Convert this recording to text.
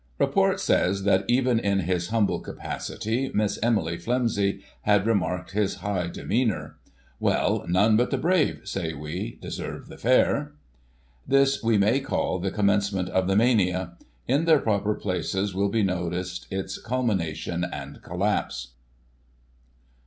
Report says that, even in his humble capacity, MiSS EMILY Flimsy had remarked his high demeanour. Well, " none but the brave," say we, " deserve the fair." This we may call the commencement of the mania; in their proper places will be noticed its culmination and collapse.